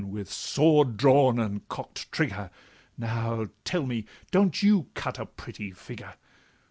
with sword drawn and cock'd trigger, Now, tell me, don't you cut a pretty figure?